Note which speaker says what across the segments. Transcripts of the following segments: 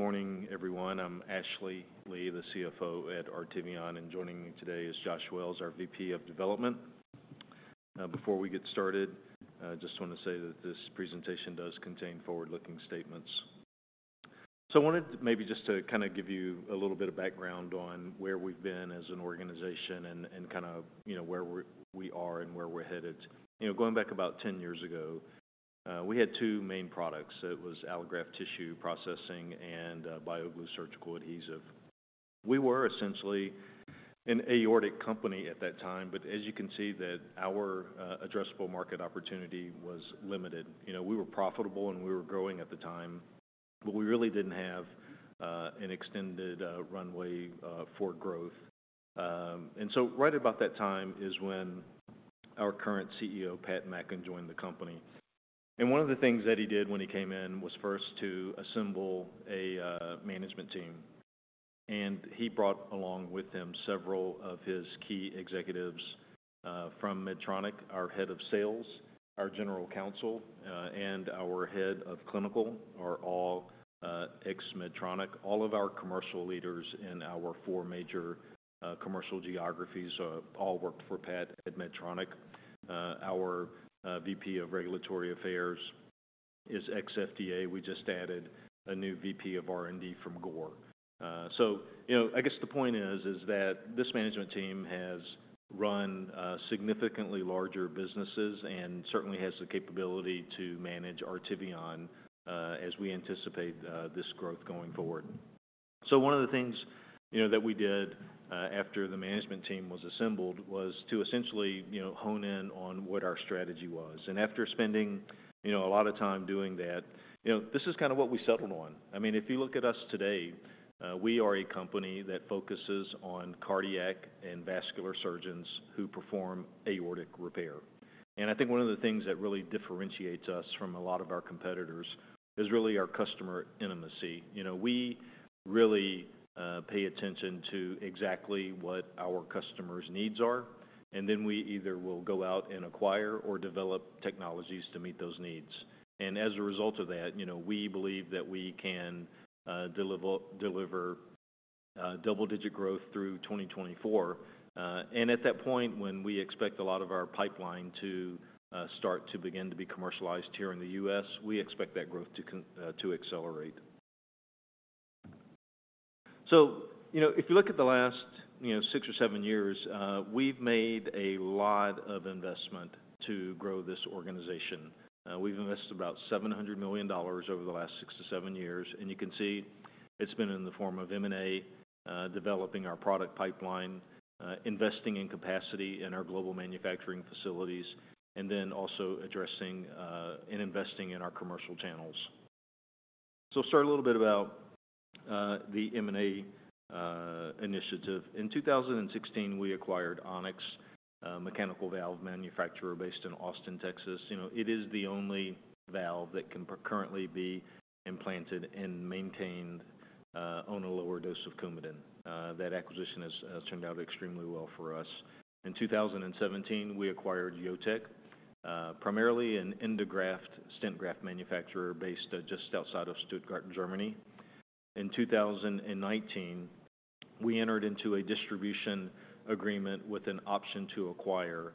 Speaker 1: Good morning, everyone. I'm Ashley Lee, the CFO at Artivion, and joining me today is Josh Wells, our VP of Development. Before we get started, I just want to say that this presentation does contain forward-looking statements. So I wanted maybe just to kind of give you a little bit of background on where we've been as an organization and kind of, you know, where we are and where we're headed. You know, going back about 10 years ago, we had two main products. It was Allograft Tissue Processing and BioGlue surgical adhesive. We were essentially an aortic company at that time, but as you can see that our addressable market opportunity was limited. You know, we were profitable and we were growing at the time, but we really didn't have an extended runway for growth. And so right about that time is when our current CEO, Pat Mackin, joined the company. And one of the things that he did when he came in was first to assemble a management team, and he brought along with him several of his key executives from Medtronic. Our head of sales, our general counsel, and our head of clinical are all ex-Medtronic. All of our commercial leaders in our four major commercial geographies all worked for Pat at Medtronic. Our VP of Regulatory Affairs is ex-FDA. We just added a new VP of R&D from Gore. So, you know, I guess the point is that this management team has run significantly larger businesses and certainly has the capability to manage Artivion as we anticipate this growth going forward. So one of the things, you know, that we did, after the management team was assembled was to essentially, you know, hone in on what our strategy was. And after spending, you know, a lot of time doing that, you know, this is kind of what we settled on. I mean, if you look at us today, we are a company that focuses on cardiac and vascular surgeons who perform aortic repair. And I think one of the things that really differentiates us from a lot of our competitors is really our customer intimacy. You know, we really, pay attention to exactly what our customer's needs are, and then we either will go out and acquire or develop technologies to meet those needs. And as a result of that, you know, we believe that we can, deliver, deliver, double-digit growth through 2024. And at that point, when we expect a lot of our pipeline to start to begin to be commercialized here in the U.S., we expect that growth to accelerate. So, you know, if you look at the last, you know, six or seven years, we've made a lot of investment to grow this organization. We've invested about $700 million over the last six to seven years, and you can see it's been in the form of M&A, developing our product pipeline, investing in capacity in our global manufacturing facilities, and then also addressing and investing in our commercial channels. So I'll share a little bit about the M&A initiative. In 2016, we acquired On-X, a mechanical valve manufacturer based in Austin, Texas. You know, it is the only valve that can currently be implanted and maintained on a lower dose of Coumadin. That acquisition has turned out extremely well for us. In 2017, we acquired JOTEC, primarily an endograft stent graft manufacturer based just outside of Stuttgart, Germany. In 2019, we entered into a distribution agreement with an option to acquire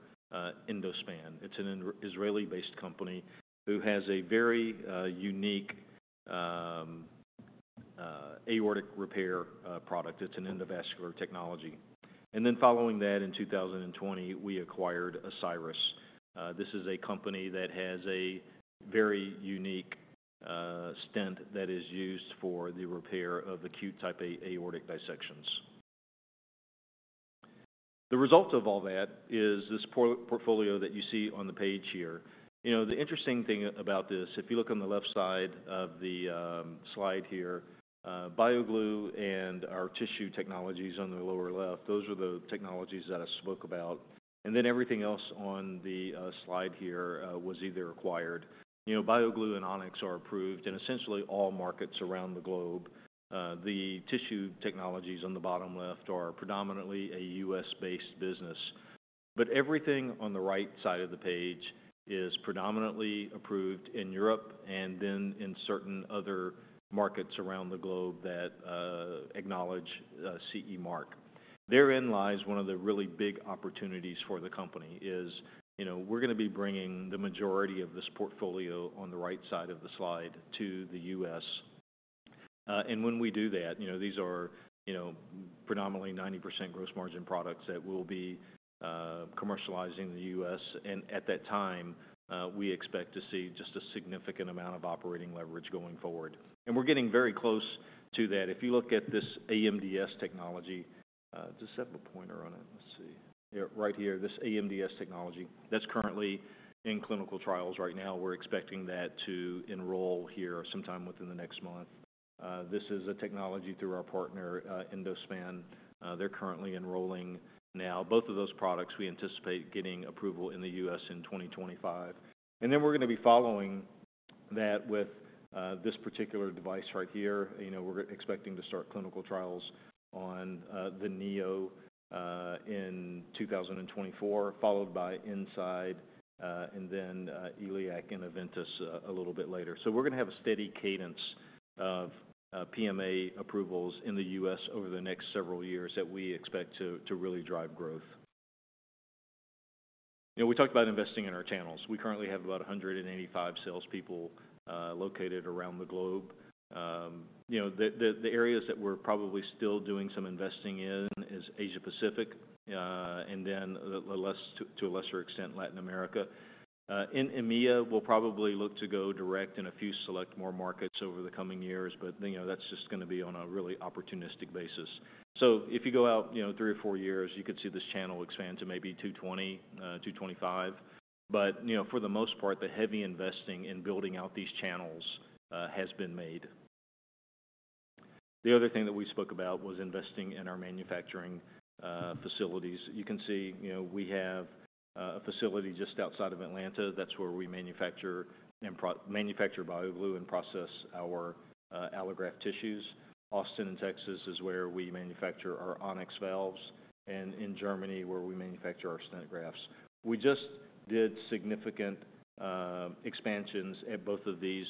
Speaker 1: Endospan. It's an Israeli-based company who has a very unique aortic repair product. It's an endovascular technology. And then following that, in 2020, we acquired Ascyrus. This is a company that has a very unique stent that is used for the repair of acute Type A aortic dissections. The result of all that is this portfolio that you see on the page here. You know, the interesting thing about this, if you look on the left side of the slide here, BioGlue and our tissue technology is on the lower left. Those are the technologies that I spoke about. And then everything else on the slide here was either acquired. You know, BioGlue and On-X are approved in essentially all markets around the globe. The tissue technologies on the bottom left are predominantly a U.S.-based business. But everything on the right side of the page is predominantly approved in Europe and then in certain other markets around the globe that acknowledge CE Mark. Therein lies one of the really big opportunities for the company is, you know, we're gonna be bringing the majority of this portfolio on the right side of the slide to the U.S. And when we do that, you know, these are, you know, predominantly 90% gross margin products that we'll be commercializing in the US. And at that time, we expect to see just a significant amount of operating leverage going forward. And we're getting very close to that. If you look at this AMDS technology... Does that have a pointer on it? Let's see. Yeah, right here, this AMDS technology, that's currently in clinical trials right now. We're expecting that to enroll here sometime within the next month. This is a technology through our partner, Endospan. They're currently enrolling now. Both of those products, we anticipate getting approval in the US in 2025. And then we're gonna be following that with this particular device right here. You know, we're expecting to start clinical trials on the NEO in 2024, followed by E-nside, and then, E-liac and E-ventus a little bit later. So we're gonna have a steady cadence of PMA approvals in the U.S. over the next several years that we expect to really drive growth. You know, we talked about investing in our channels. We currently have about 185 salespeople located around the globe. You know, the areas that we're probably still doing some investing in is Asia Pacific, and then less to a lesser extent, Latin America. In EMEA, we'll probably look to go direct in a few select more markets over the coming years, but, you know, that's just gonna be on a really opportunistic basis. So if you go out, you know, three or four years, you could see this channel expand to maybe 220-225. But, you know, for the most part, the heavy investing in building out these channels has been made. The other thing that we spoke about was investing in our manufacturing facilities. You can see, you know, we have a facility just outside of Atlanta. That's where we manufacture and process BioGlue and process our allograft tissues. Austin, Texas, is where we manufacture our On-X valves, and in Germany, where we manufacture our stent grafts. We just did significant expansions at both of these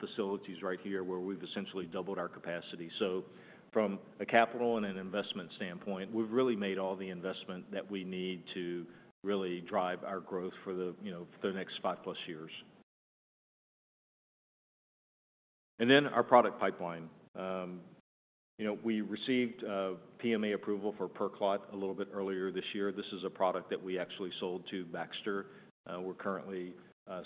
Speaker 1: facilities right here, where we've essentially doubled our capacity. So from a capital and an investment standpoint, we've really made all the investment that we need to really drive our growth for the, you know, for the next five plus years. Then our product pipeline. You know, we received a PMA approval for PerClot a little bit earlier this year. This is a product that we actually sold to Baxter. We're currently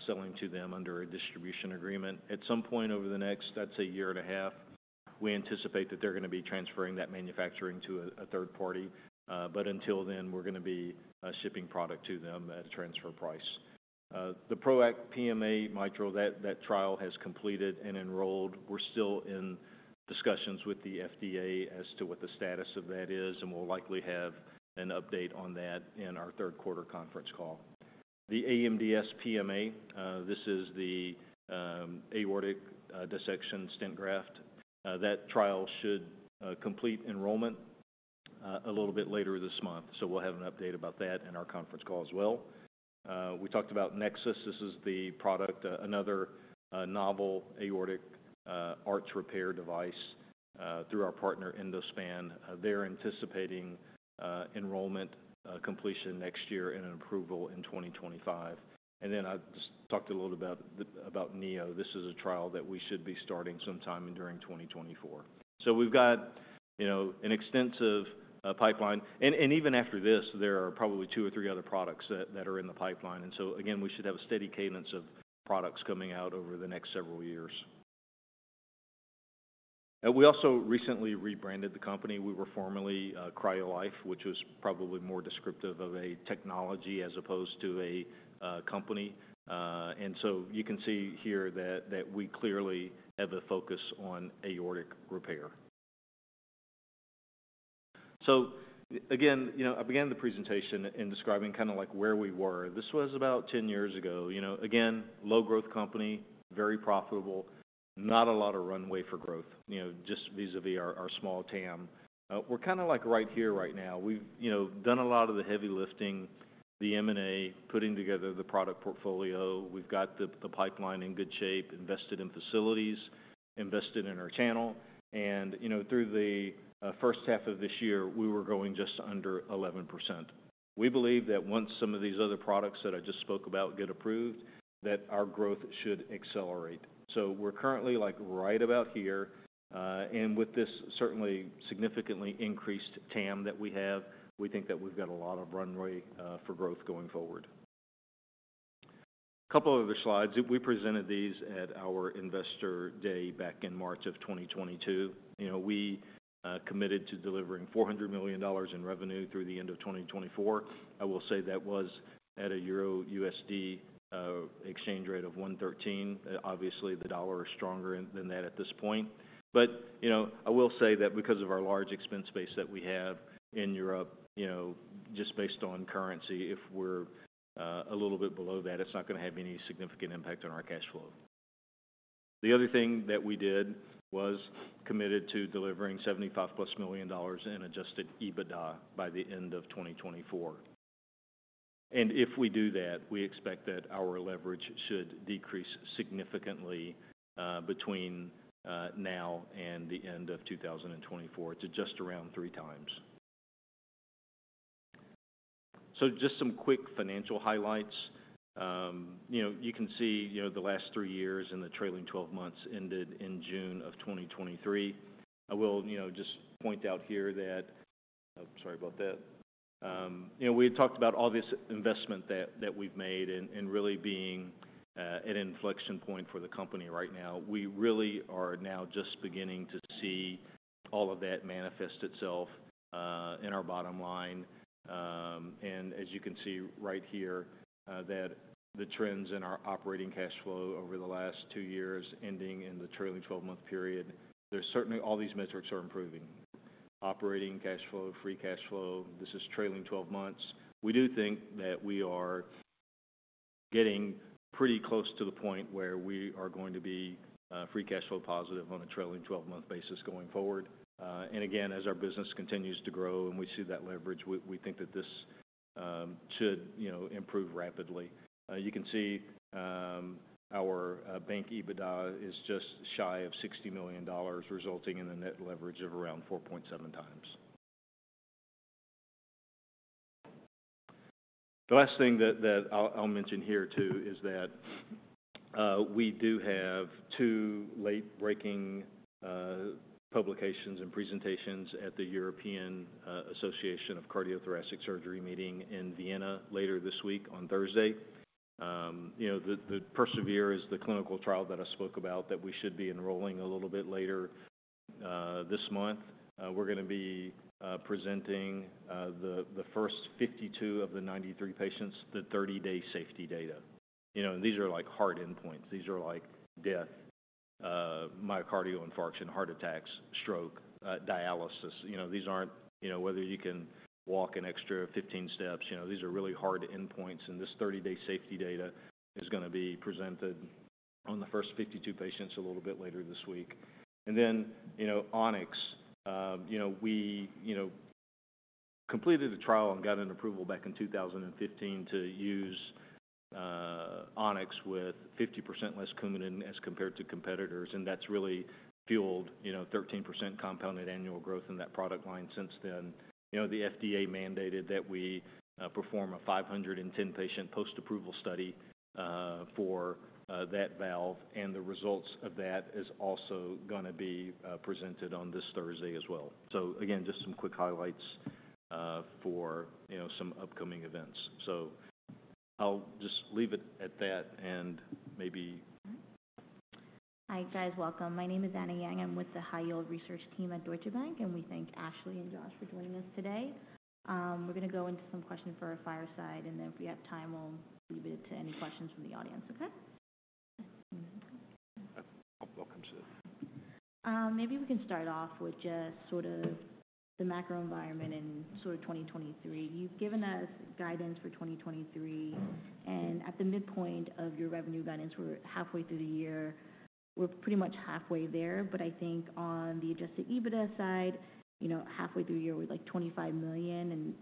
Speaker 1: selling to them under a distribution agreement. At some point over the next, I'd say year and a half, we anticipate that they're gonna be transferring that manufacturing to a third party. But until then, we're gonna be shipping product to them at transfer price. The PROACT PMA mitral trial has completed and enrolled. We're still in discussions with the FDA as to what the status of that is, and we'll likely have an update on that in our third quarter conference call. The AMDS PMA, this is the aortic dissection stent graft. That trial should complete enrollment a little bit later this month, so we'll have an update about that in our conference call as well. We talked about NEXUS. This is the product, another novel aortic arch repair device, through our partner, Endospan. They're anticipating enrollment completion next year and an approval in 2025. And then I just talked a little about the NEO. This is a trial that we should be starting sometime during 2024. So we've got, you know, an extensive pipeline. And even after this, there are probably two or three other products that are in the pipeline. And so again, we should have a steady cadence of products coming out over the next several years. And we also recently rebranded the company. We were formerly CryoLife, which was probably more descriptive of a technology as opposed to a company. And so you can see here that we clearly have a focus on aortic repair. So again, you know, I began the presentation in describing kind of like where we were. This was about 10 years ago. You know, again, low growth company, very profitable, not a lot of runway for growth, you know, just vis-a-vis our small TAM. We're kind of like right here right now. We've, you know, done a lot of the heavy lifting, the M&A, putting together the product portfolio. We've got the pipeline in good shape, invested in facilities, invested in our channel, and, you know, through the first half of this year, we were growing just under 11%. We believe that once some of these other products that I just spoke about get approved, that our growth should accelerate. So we're currently, like, right about here, and with this certainly significantly increased TAM that we have, we think that we've got a lot of runway for growth going forward. A couple of other slides. We presented these at our Investor Day back in March of 2022. You know, we committed to delivering $400 million in revenue through the end of 2024. I will say that was at a Euro-USD exchange rate of 1.13. Obviously, the dollar is stronger than that at this point. But you know, I will say that because of our large expense base that we have in Europe, you know, just based on currency, if we're a little bit below that, it's not gonna have any significant impact on our cash flow. The other thing that we did was committed to delivering $75+ million in adjusted EBITDA by the end of 2024. And if we do that, we expect that our leverage should decrease significantly between now and the end of 2024 to just around 3x. So just some quick financial highlights. You know, you can see the last three years and the trailing twelve months ended in June 2023. I will, you know, just point out here that... Sorry about that. You know, we had talked about all this investment that we've made and really being an inflection point for the company right now. We really are now just beginning to see all of that manifest itself in our bottom line. And as you can see right here, that the trends in our operating cash flow over the last two years, ending in the trailing twelve-month period, there's certainly all these metrics are improving. Operating cash flow, free cash flow, this is trailing twelve months. We do think that we are getting pretty close to the point where we are going to be free cash flow positive on a trailing twelve-month basis going forward. And again, as our business continues to grow and we see that leverage, we think that this should, you know, improve rapidly. You can see, our bank EBITDA is just shy of $60 million, resulting in a net leverage of around 4.7 times. The last thing that I'll mention here too, is that, we do have two late-breaking publications and presentations at the European Association for Cardio-Thoracic Surgery meeting in Vienna later this week, on Thursday. You know, the PERSEVERE is the clinical trial that I spoke about, that we should be enrolling a little bit later this month. We're gonna be presenting the first 52 of the 93 patients, the 30-day safety data. You know, these are like hard endpoints. These are like death, myocardial infarction, heart attacks, stroke, dialysis. You know, these aren't, you know, whether you can walk an extra 15 steps. You know, these are really hard endpoints, and this 30-day safety data is gonna be presented on the first 52 patients a little bit later this week. And then, you know, On-X. You know, we, you know, completed a trial and got an approval back in 2015 to use, On-X with 50% less Coumadin as compared to competitors, and that's really fueled, you know, 13% compounded annual growth in that product line since then. You know, the FDA mandated that we, perform a 510 patient post-approval study, for, that valve, and the results of that is also gonna be, presented on this Thursday as well. So again, just some quick highlights for, you know, some upcoming events. So I'll just leave it at that and maybe-
Speaker 2: Hi, guys. Welcome. My name is Anna Yang. I'm with the High Yield Research Team at Deutsche Bank, and we thank Ashley and Josh for joining us today. We're gonna go into some questions for our fireside, and then if we have time, we'll leave it to any questions from the audience. Okay?
Speaker 1: Welcome to it.
Speaker 2: Maybe we can start off with just sort of the macro environment in sort of 2023. You've given us guidance for 2023, and at the midpoint of your revenue guidance, we're halfway through the year. We're pretty much halfway there, but I think on the adjusted EBITDA side, you know, halfway through the year, with, like, $25 million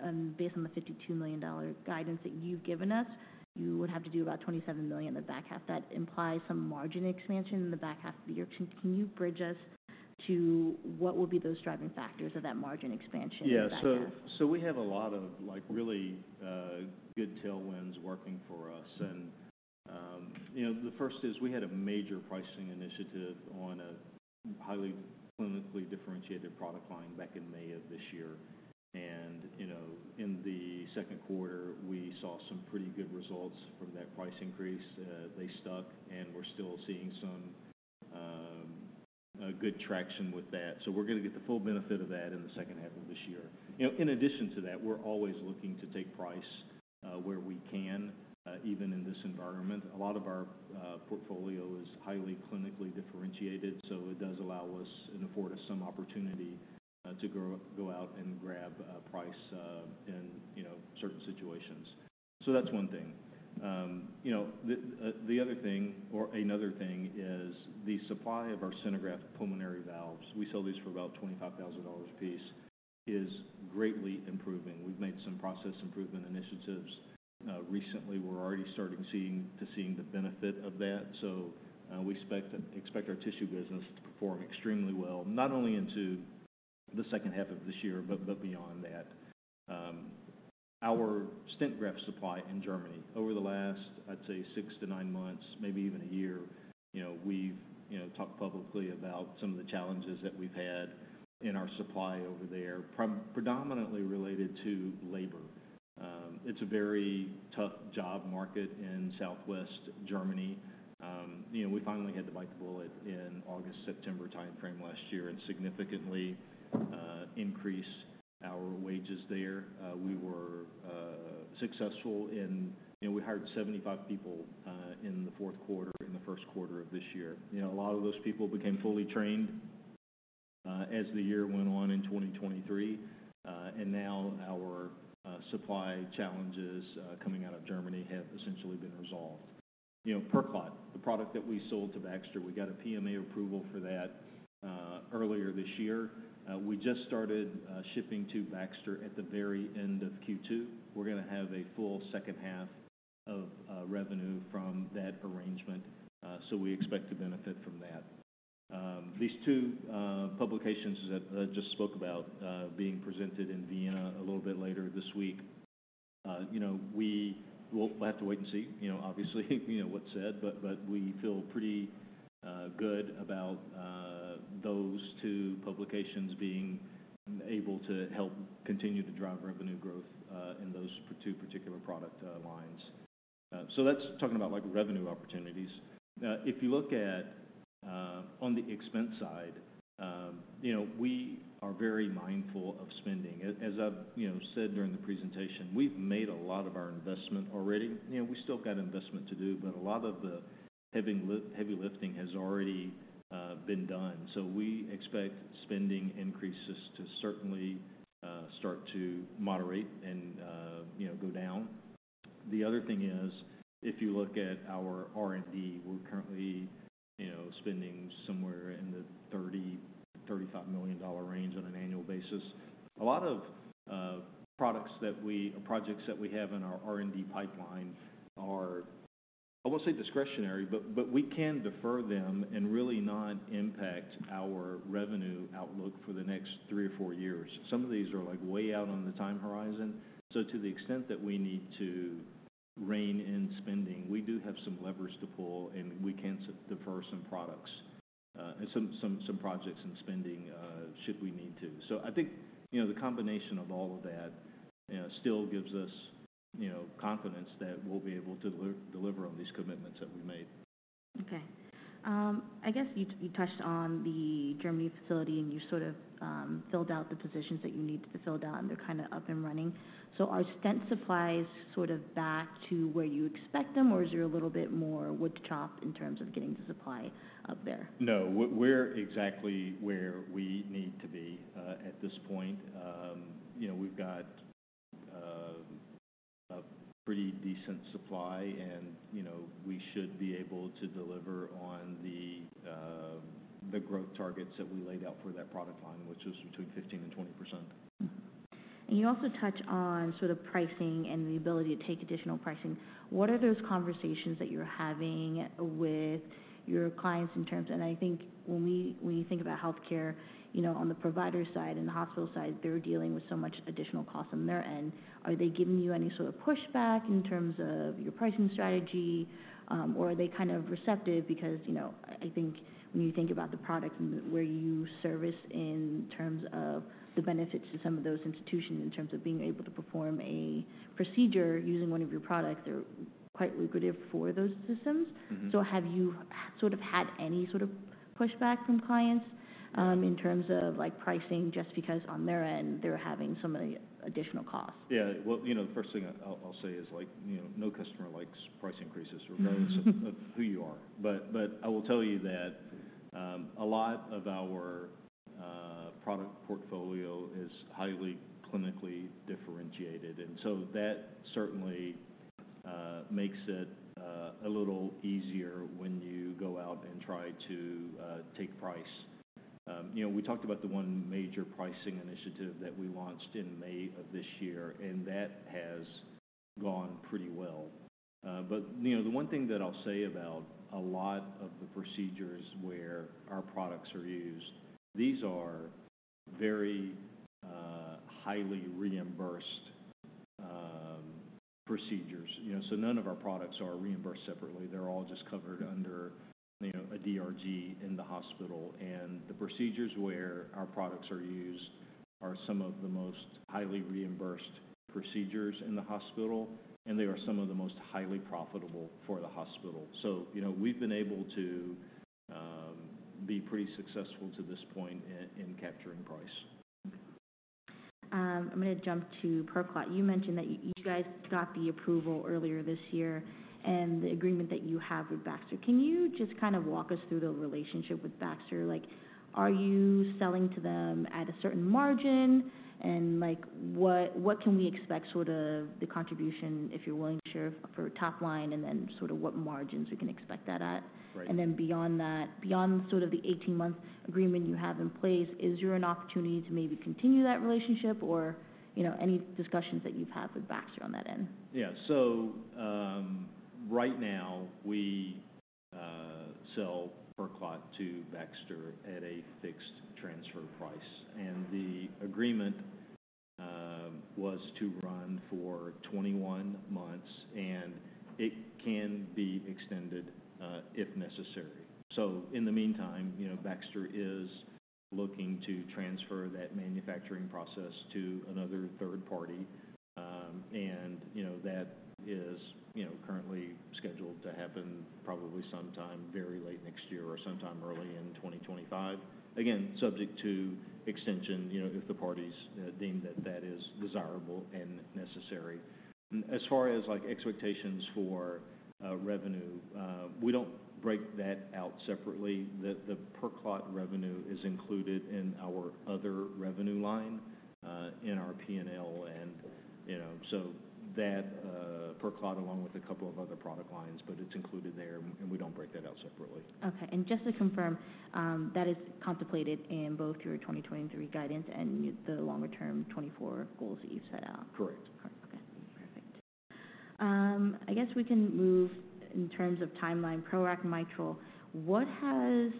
Speaker 2: and, based on the $52 million guidance that you've given us, you would have to do about $27 million in the back half. That implies some margin expansion in the back half of the year. Can you bridge us to what would be those driving factors of that margin expansion in the back half?
Speaker 1: Yeah. So we have a lot of, like, really good tailwinds working for us. And you know, the first is we had a major pricing initiative on a highly clinically differentiated product line back in May of this year. And you know, in the second quarter, we saw some pretty good results from that price increase. They stuck, and we're still seeing some good traction with that. So we're gonna get the full benefit of that in the second half of this year. You know, in addition to that, we're always looking to take price where we can even in this environment. A lot of our portfolio is highly clinically differentiated, so it does allow us and afford us some opportunity to grow... go out and grab price in you know, certain situations. So that's one thing. You know, the other thing or another thing is the supply of our SynerGraft pulmonary valves, we sell these for about $25,000 a piece, is greatly improving. We've made some process improvement initiatives. Recently, we're already starting to see the benefit of that. So, we expect our tissue business to perform extremely well, not only into the second half of this year, but beyond that. Our stent graft supply in Germany, over the last, I'd say, 6-9 months, maybe even a year, you know, we've talked publicly about some of the challenges that we've had in our supply over there, predominantly related to labor. It's a very tough job market in Southwest Germany. You know, we finally had to bite the bullet in August, September timeframe last year and significantly increase our wages there. We were successful. You know, we hired 75 people in the fourth quarter, in the first quarter of this year. You know, a lot of those people became fully trained as the year went on in 2023, and now our supply challenges coming out of Germany have essentially been resolved. You know, PerClot, the product that we sold to Baxter, we got a PMA approval for that earlier this year. We just started shipping to Baxter at the very end of Q2. We're gonna have a full second half of revenue from that arrangement, so we expect to benefit from that. These two publications that I just spoke about, being presented in Vienna a little bit later this week, you know, we will have to wait and see, you know, obviously, you know, what's said. But we feel pretty good about those two publications being able to help continue to drive revenue growth in those two particular product lines. So that's talking about like revenue opportunities. Now, if you look at on the expense side, you know, we are very mindful of spending. As I've, you know, said during the presentation, we've made a lot of our investment already. You know, we still got investment to do, but a lot of the heavy lifting has already been done. So we expect spending increases to certainly start to moderate and, you know, go down. The other thing is, if you look at our R&D, we're currently, you know, spending somewhere in the $30-$35 million range on an annual basis. A lot of products that we, or projects that we have in our R&D pipeline are, I won't say discretionary, but we can defer them and really not impact our revenue outlook for the next three or more years. Some of these are, like, way out on the time horizon. So to the extent that we need to rein in spending, we do have some levers to pull, and we can defer some products and some projects and spending should we need to. I think, you know, the combination of all of that still gives us, you know, confidence that we'll be able to deliver on these commitments that we made.
Speaker 2: Okay. I guess you touched on the Germany facility, and you sort of filled out the positions that you need to fill out, and they're kind of up and running. So are stent supplies sort of back to where you expect them, or is there a little bit more wood chopped in terms of getting the supply up there?
Speaker 1: No, we're exactly where we need to be, at this point. You know, we've got a pretty decent supply and, you know, we should be able to deliver on the growth targets that we laid out for that product line, which is between 15% and 20%.
Speaker 2: Mm-hmm. And you also touch on sort of pricing and the ability to take additional pricing. What are those conversations that you're having with your clients in terms... And I think when we, when we think about healthcare, you know, on the provider side and the hospital side, they're dealing with so much additional costs on their end. Are they giving you any sort of pushback in terms of your pricing strategy? Or are they kind of receptive? Because, you know, I think when you think about the product and where you service in terms of the benefits to some of those institutions, in terms of being able to perform a procedure using one of your products, they're quite lucrative for those systems.
Speaker 1: Mm-hmm.
Speaker 2: Have you sort of had any sort of pushback from clients, in terms of, like, pricing, just because on their end, they're having so many additional costs?
Speaker 1: Yeah. Well, you know, the first thing I'll say is like, you know, no customer likes price increases-
Speaker 2: Mm-hmm
Speaker 1: Regardless of who you are. But, but I will tell you that a lot of our product portfolio is highly clinically differentiated, and so that certainly makes it a little easier when you go out and try to take price. You know, we talked about the one major pricing initiative that we launched in May of this year, and that has gone pretty well. But, you know, the one thing that I'll say about a lot of the procedures where our products are used, these are very highly reimbursed procedures. You know, so none of our products are reimbursed separately. They're all just covered under, you know, a DRG in the hospital. The procedures where our products are used are some of the most highly reimbursed procedures in the hospital, and they are some of the most highly profitable for the hospital. So, you know, we've been able to be pretty successful to this point in capturing price.
Speaker 2: I'm gonna jump to PerClot. You mentioned that you guys got the approval earlier this year, and the agreement that you have with Baxter. Can you just kind of walk us through the relationship with Baxter? Like, are you selling to them at a certain margin? And like, what, what can we expect, sort of the contribution, if you're willing to share, for top line and then sort of what margins we can expect that at?
Speaker 1: Right.
Speaker 2: And then beyond that, beyond sort of the 18-month agreement you have in place, is there an opportunity to maybe continue that relationship or, you know, any discussions that you've had with Baxter on that end?
Speaker 1: Yeah. So, right now, we sell PerClot to Baxter at a fixed transfer price, and the agreement was to run for 21 months, and it can be extended if necessary. So in the meantime, you know, Baxter is looking to transfer that manufacturing process to another third party. And you know, that is, you know, currently scheduled to happen probably sometime very late next year or sometime early in 2025. Again, subject to extension, you know, if the parties deem that that is desirable and necessary. As far as, like, expectations for revenue, we don't break that out separately. The PerClot revenue is included in our other revenue line in our PNL, and, you know, so that PerClot, along with a couple of other product lines, but it's included there, and we don't break that out separately.
Speaker 2: Okay. And just to confirm, that is contemplated in both your 2023 guidance and the longer term 2024 goals that you've set out?
Speaker 1: Correct.
Speaker 2: Correct. Okay, perfect. I guess we can move in terms of timeline, PROACT mitral. What has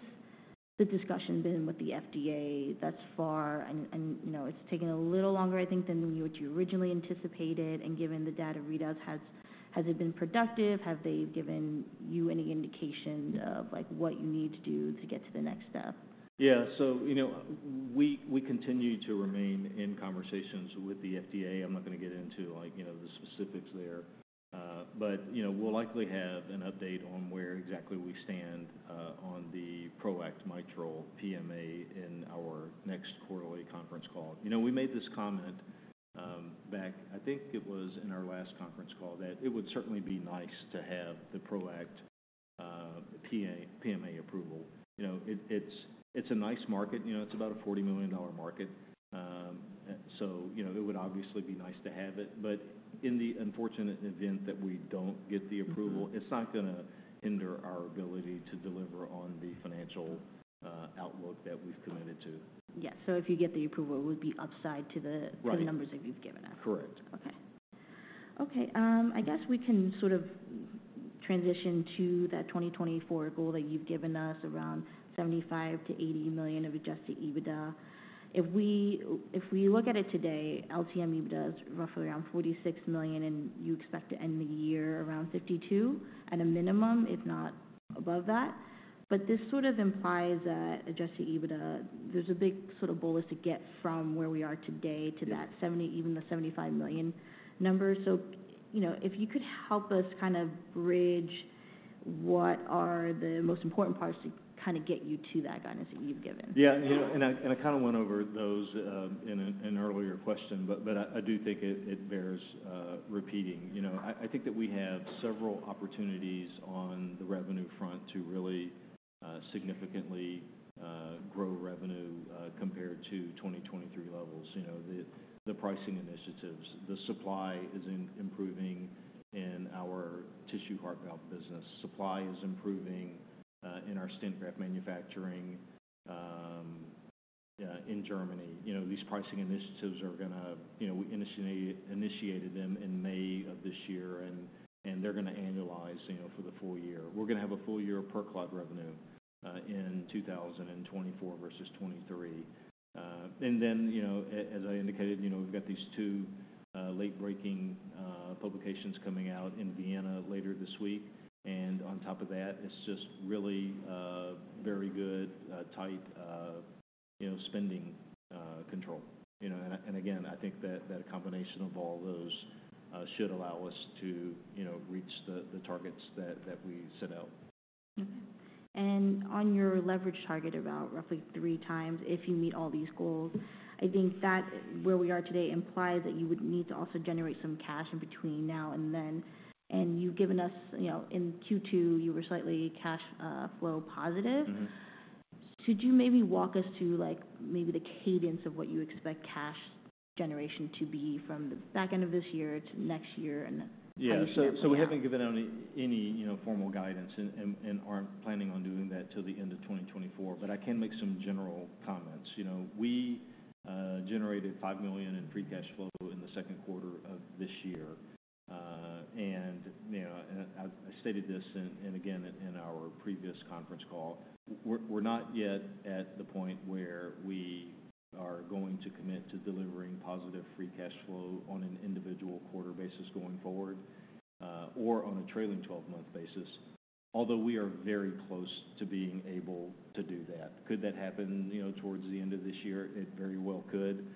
Speaker 2: the discussion been with the FDA thus far? And you know, it's taken a little longer, I think, than what you originally anticipated. And given the data readouts, has it been productive? Have they given you any indication-
Speaker 1: Mm-hmm.
Speaker 2: of, like, what you need to do to get to the next step?
Speaker 1: Yeah. So, you know, we continue to remain in conversations with the FDA. I'm not gonna get into, like, you know, the specifics there. But, you know, we'll likely have an update on where exactly we stand on the ProAct mitral PMA in our next quarterly conference call. You know, we made this comment back, I think it was in our last conference call, that it would certainly be nice to have the ProAct PMA approval. You know, it, it's a nice market. You know, it's about a $40 million market. So, you know, it would obviously be nice to have it, but in the unfortunate event that we don't get the approval-
Speaker 2: Mm-hmm.
Speaker 1: It's not gonna hinder our ability to deliver on the financial outlook that we've committed to.
Speaker 2: Yes. So if you get the approval, it would be upside to the-
Speaker 1: Right.
Speaker 2: to the numbers that you've given us?
Speaker 1: Correct.
Speaker 2: Okay. Okay, I guess we can sort of transition to that 2024 goal that you've given us, around $75 million-$80 million of adjusted EBITDA. If we, if we look at it today, LTM EBITDA is roughly around $46 million, and you expect to end the year around $52 million at a minimum, if not above that. But this sort of implies that adjusted EBITDA, there's a big sort of bullish to get from where we are today to that-
Speaker 1: Yes
Speaker 2: 70, even the $75 million number. So, you know, if you could help us kind of bridge what are the most important parts to kind of get you to that guidance that you've given?
Speaker 1: Yeah, you know, and I kind of went over those in an earlier question, but I do think it bears repeating. You know, I think that we have several opportunities on the revenue front to really significantly grow revenue compared to 2023 levels. You know, the pricing initiatives, the supply is improving in our tissue heart valve business. Supply is improving in our stent graft manufacturing in Germany. You know, these pricing initiatives are gonna. You know, we initiated them in May of this year, and they're gonna annualize, you know, for the full year. We're gonna have a full year of PerClot revenue in 2024 versus 2023. And then, you know, as I indicated, you know, we've got these two, late-breaking, publications coming out in Vienna later this week. And on top of that, it's just really, very good, tight, you know, spending, control, you know? And, and again, I think that that combination of all those, should allow us to, you know, reach the, the targets that, that we set out.
Speaker 2: Okay. And on your leverage target, about roughly 3x, if you meet all these goals, I think that where we are today implies that you would need to also generate some cash in between now and then. And you've given us... You know, in Q2, you were slightly cash flow positive.
Speaker 1: Mm-hmm.
Speaker 2: Could you maybe walk us through, like, maybe the cadence of what you expect cash generation to be from the back end of this year to next year, and how you see it playing out?
Speaker 1: Yeah. So we haven't given out any, you know, formal guidance and aren't planning on doing that till the end of 2024, but I can make some general comments. You know, we generated $5 million in free cash flow in the second quarter of this year. And you know, I stated this in our previous conference call, we're not yet at the point where we are going to commit to delivering positive free cash flow on an individual quarter basis going forward, or on a trailing 12-month basis, although we are very close to being able to do that. Could that happen, you know, towards the end of this year? It very well could.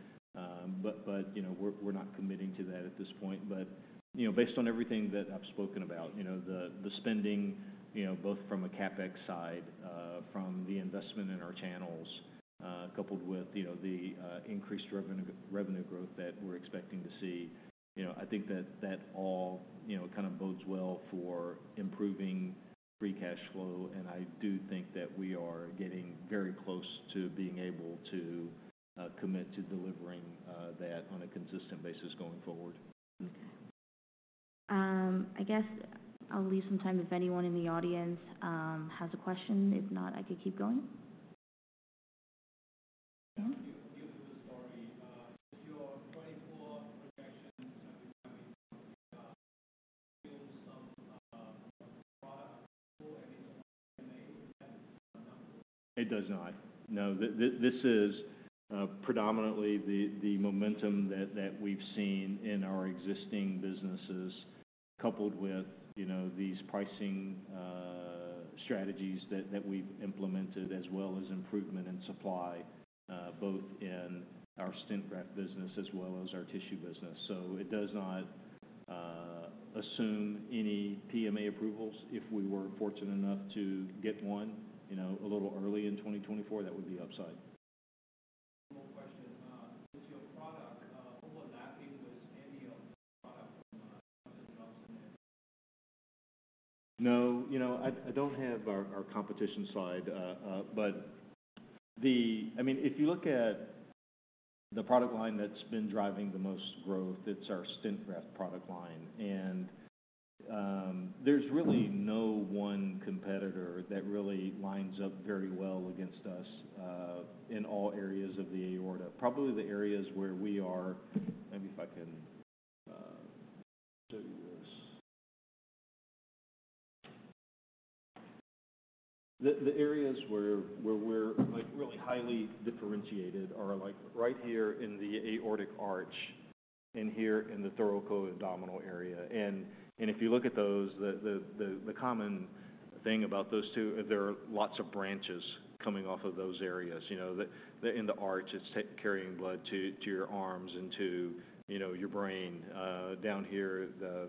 Speaker 1: But you know, we're not committing to that at this point. But, you know, based on everything that I've spoken about, you know, the, the spending, you know, both from a CapEx side, from the investment in our channels, coupled with, you know, the, increased revenue, revenue growth that we're expecting to see, you know, I think that that all, you know, kind of bodes well for improving free cash flow, and I do think that we are getting very close to being able to, commit to delivering, that on a consistent basis going forward.
Speaker 2: I guess I'll leave some time if anyone in the audience has a question. If not, I can keep going. No?...
Speaker 1: It does not. No, this is predominantly the momentum that we've seen in our existing businesses, coupled with, you know, these pricing strategies that we've implemented, as well as improvement in supply both in our stent graft business as well as our tissue business. So it does not assume any PMA approvals. If we were fortunate enough to get one, you know, a little early in 2024, that would be upside.
Speaker 2: One more question. Does your product overlapping with any of the product from Boston Scientific?
Speaker 1: No. You know, I, I don't have our, our competition slide. But the... I mean, if you look at the product line that's been driving the most growth, it's our stent graft product line. And, there's really no one competitor that really lines up very well against us in all areas of the aorta. Probably the areas where we are—maybe if I can show you this. The areas where we're, like, really highly differentiated are, like, right here in the aortic arch and here in the thoracoabdominal area. And, if you look at those, the common thing about those two, there are lots of branches coming off of those areas. You know, the in the arch, it's carrying blood to your arms and to, you know, your brain. Down here, the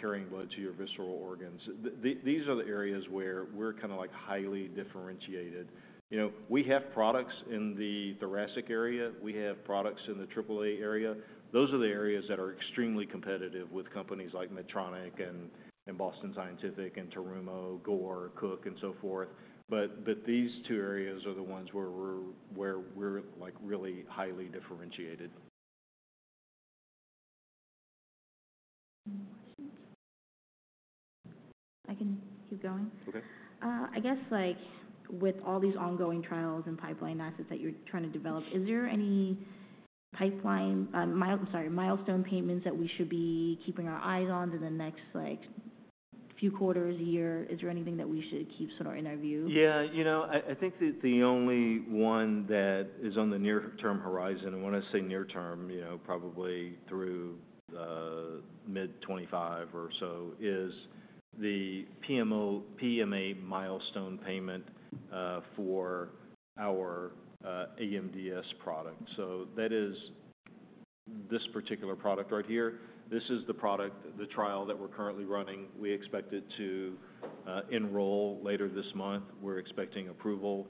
Speaker 1: carrying blood to your visceral organs. These are the areas where we're kind of, like, highly differentiated. You know, we have products in the thoracic area, we have products in the triple A area. Those are the areas that are extremely competitive with companies like Medtronic and Boston Scientific, and Terumo, Gore, Cook, and so forth. But these two areas are the ones where we're, like, really highly differentiated. ...
Speaker 2: Keep going?
Speaker 1: Okay.
Speaker 2: I guess, like, with all these ongoing trials and pipeline assets that you're trying to develop, is there any pipeline milestone payments that we should be keeping our eyes on in the next, like, few quarters, year? Is there anything that we should keep sort of in our view?
Speaker 1: Yeah, you know, I think that the only one that is on the near-term horizon, and when I say near term, you know, probably through the mid-2025 or so, is the PMA milestone payment, for our AMDS product. So that is this particular product right here. This is the product, the trial that we're currently running. We expect it to enroll later this month. We're expecting approval,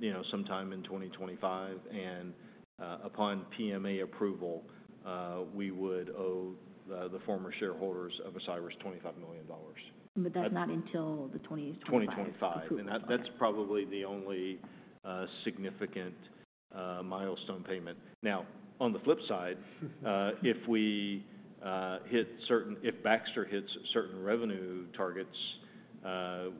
Speaker 1: you know, sometime in 2025. And, upon PMA approval, we would owe the former shareholders of Ascyrus $25 million.
Speaker 2: That's not until 2025-
Speaker 1: Twenty twenty-five.
Speaker 2: Approval.
Speaker 1: And that's probably the only significant milestone payment. Now, on the flip side, if Baxter hits certain revenue targets,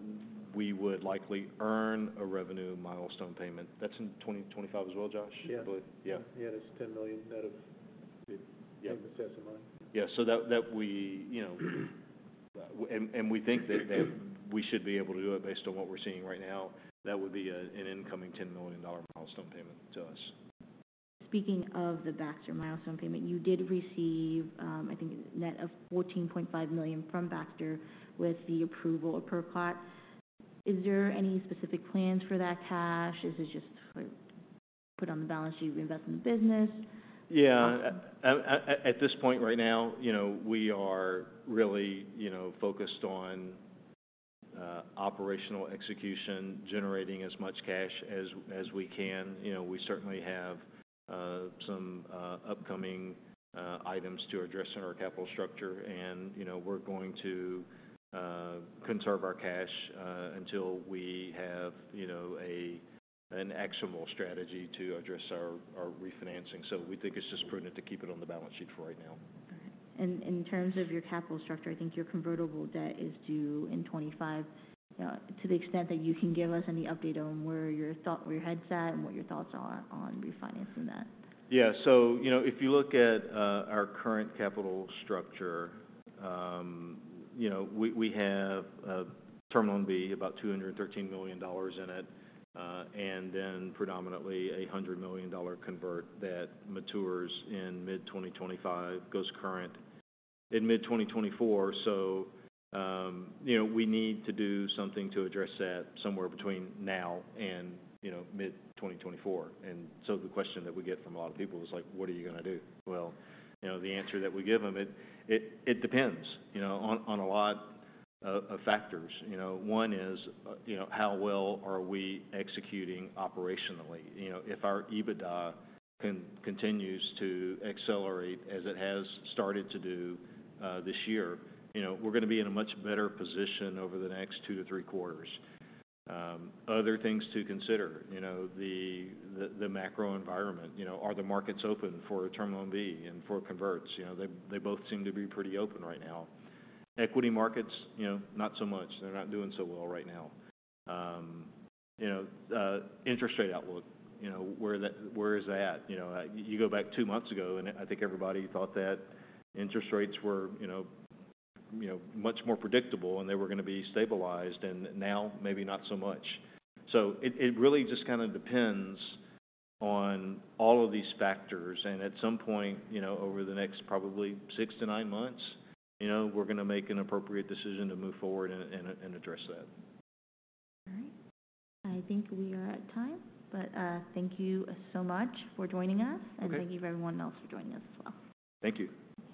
Speaker 1: we would likely earn a revenue milestone payment. That's in 2025 as well, Josh?
Speaker 2: Yeah.
Speaker 1: I believe. Yeah.
Speaker 2: Yeah, it's $10 million net of-
Speaker 1: Yeah
Speaker 2: I think, assessment.
Speaker 1: Yeah. So we, you know, think that we should be able to do it based on what we're seeing right now. That would be an incoming $10 million milestone payment to us.
Speaker 2: Speaking of the Baxter milestone payment, you did receive, I think, net of $14.5 million from Baxter with the approval of PerClot. Is there any specific plans for that cash? Is it just to put on the balance sheet, invest in the business?
Speaker 1: Yeah. At this point right now, you know, we are really, you know, focused on operational execution, generating as much cash as we can. You know, we certainly have some upcoming items to address in our capital structure and, you know, we're going to conserve our cash until we have, you know, an actionable strategy to address our refinancing. So we think it's just prudent to keep it on the balance sheet for right now.
Speaker 2: Okay. And in terms of your capital structure, I think your convertible debt is due in 2025. To the extent that you can give us any update on where your head's at, and what your thoughts are on refinancing that.
Speaker 1: Yeah. So, you know, if you look at our current capital structure, you know, we have a Term Loan B, about $213 million in it, and then predominantly a $100 million convert that matures in mid-2025, goes current in mid-2024. So, you know, we need to do something to address that somewhere between now and, you know, mid-2024. And so the question that we get from a lot of people is like: "What are you gonna do?" Well, you know, the answer that we give them, it depends, you know, on a lot of factors. You know, one is, you know, how well are we executing operationally? You know, if our EBITDA continues to accelerate as it has started to do this year, you know, we're gonna be in a much better position over the next two to three quarters. Other things to consider, you know, the macro environment, you know, are the markets open for a Term Loan B and for converts? You know, they both seem to be pretty open right now. Equity markets, you know, not so much. They're not doing so well right now. You know, interest rate outlook, you know, where is that? You know, you go back two months ago, and I think everybody thought that interest rates were, you know, much more predictable and they were gonna be stabilized, and now maybe not so much. So it really just kinda depends on all of these factors, and at some point, you know, over the next probably 6-9 months, you know, we're gonna make an appropriate decision to move forward and address that.
Speaker 2: All right. I think we are at time, but, thank you so much for joining us.
Speaker 1: Okay.
Speaker 2: Thank you, everyone else, for joining us as well.
Speaker 1: Thank you.
Speaker 2: Thank you, Anna.